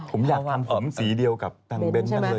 ผมอยากทำผมสีเดียวกับดางเบนใช่ไหม